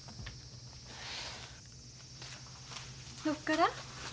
どっから？